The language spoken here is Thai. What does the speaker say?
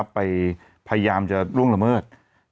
พยายามจะล่วงละเมิด